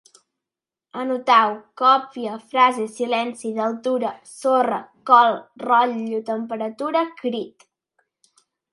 Anotau: còpia, frase, silenci, d’altura, sorra, col, rotllo, temperatura, crit